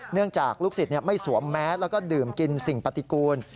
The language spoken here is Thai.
เนื่องจากลูกสิทธิ์ไม่สวมแม้แล้วก็ดื่มกินสิ่งปฏิกูล